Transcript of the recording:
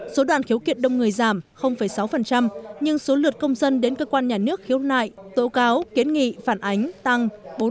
số đoàn khiếu kiện đông người giảm sáu nhưng số lượt công dân đến cơ quan nhà nước khiếu nại tố cáo kiến nghị phản ánh tăng bốn